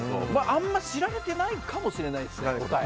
あんまり知られてないかもしれないですね。